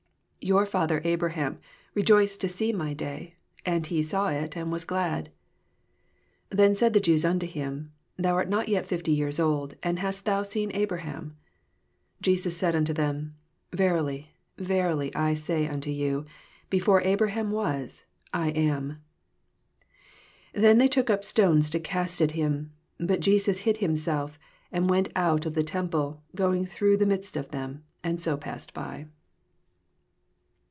56 Tour father Abraham rejoioed to see my day: and he saw it, and was glad. 57 Then said the Jews unto him. Thou art not yet fifty yean old, and hast thou seen Abraham 7 58 Jesus said unto them. Verily, verily, I say unto you, before Abra ham was, I am. 59 Then took they up stones to cast at him: but Jesus hid himself, and went out of the temple, going through the midst of them, and fo passed by.